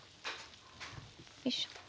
よいしょ。